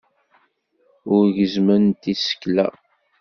Ur gezzment isekla.